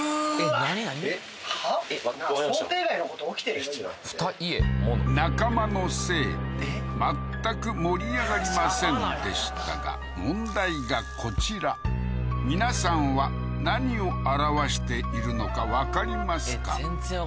今中間のせいで全く盛り上がりませんでしたが問題がこちら皆さんは何を表しているのかわかりますか？